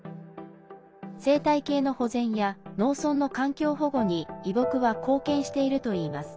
生態系の保全や農村の環境保護に移牧は、貢献しているといいます。